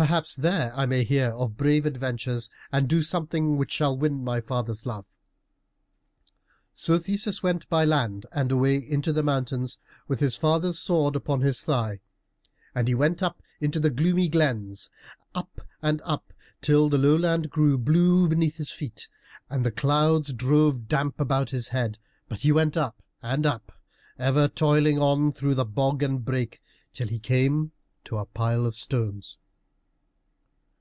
Perhaps there I may hear of brave adventures, and do something which shall win my father's love." So Theseus went by land and away into the mountains, with his father's sword upon his thigh. And he went up into the gloomy glens, up and up, till the lowland grew blue beneath his feet, and the clouds drove damp about his head. But he went up and up, ever toiling on through bog and brake, till he came to a pile of stones.